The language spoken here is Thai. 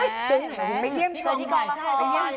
เจนไหม